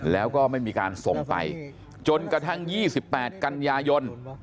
แล้วก็ไม่มีการส่งไปจนกระทั่ง๒๘กันยายน